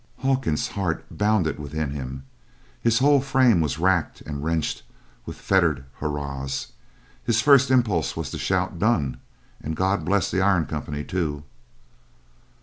Hawkins's heart bounded within him. His whole frame was racked and wrenched with fettered hurrahs. His first impulse was to shout "Done! and God bless the iron company, too!"